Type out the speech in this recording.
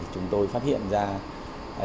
chúng tôi phát hiện ra chín chất mới